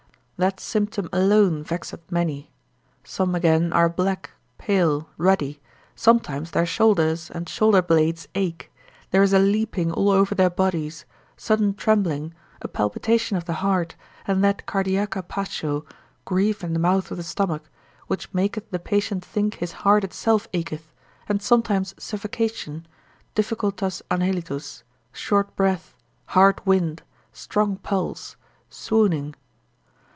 That symptom alone vexeth many. Some again are black, pale, ruddy, sometimes their shoulders and shoulder blades ache, there is a leaping all over their bodies, sudden trembling, a palpitation of the heart, and that cardiaca passio, grief in the mouth of the stomach, which maketh the patient think his heart itself acheth, and sometimes suffocation, difficultas anhelitus, short breath, hard wind, strong pulse, swooning.